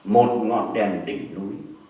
một ngọn đèn đỉnh núi